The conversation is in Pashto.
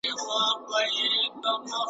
دا وینا له دومره پوچو الفاظو .